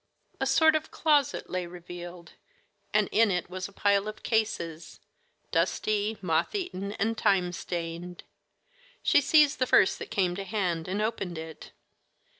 A sort of closet lay revealed, and in it was a pile of cases, dusty, moth eaten, and time stained. She seized the first that came to hand, and opened it.